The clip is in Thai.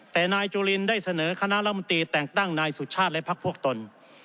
แต่นายจุลินได้เสนอคณะรัฐมนตรีแต่งตั้งนายสุชาติและพักพวกตน